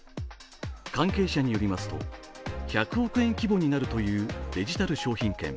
関係者によりますと１００億円規模になるというデジタル商品券。